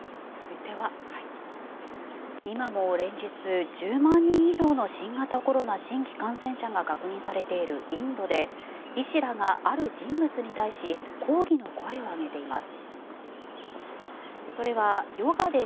今も連日、１０万人以上の新型コロナ新規感染者が確認されているインドで医師らがある人物に対し抗議の声を上げています。